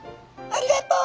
「ありがとう」？